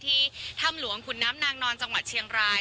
ถ้ำหลวงขุนน้ำนางนอนจังหวัดเชียงราย